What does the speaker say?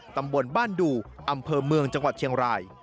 ตำบลบ้านดูอำเภอเมืองจังหวัดเชียงราย